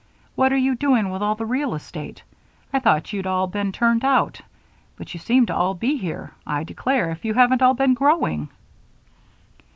What are you doing with all the real estate? I thought you'd all been turned out, but you seem to be all here. I declare, if you haven't all been growing!"